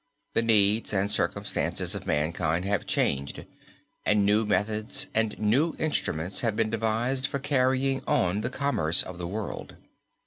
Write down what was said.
The needs and circumstances of mankind have changed, and new methods and new instruments have been devised for carrying on the commerce of the world.